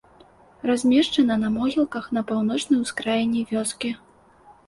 Размешчана на могілках на паўночнай ускраіне вёскі.